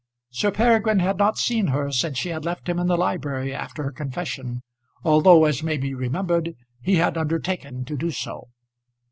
Sir Peregrine had not seen her since she had left him in the library after her confession, although, as may be remembered, he had undertaken to do so.